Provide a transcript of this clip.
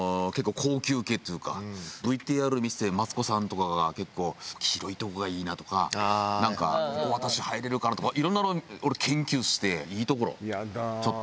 ＶＴＲ見ててマツコさんとかが結構「広いとこがいいな」とかなんか「ここ私入れるかな？」とかいろんなのを俺研究していい所ちょっと。